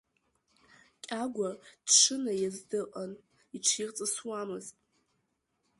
Кьагәа дшынаиаз дыҟан, иҽирҵысуамызт.